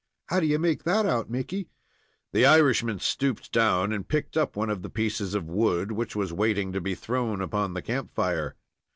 "How do you make that out, Mickey?" The Irishman stooped down and picked up one of the pieces of wood, which was waiting to be thrown upon the camp fire.